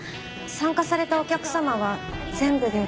参加されたお客様は全部で６０名。